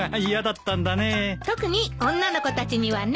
特に女の子たちにはね。